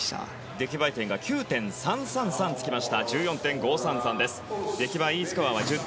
出来栄え点が９．３３３つきました。１４．５３３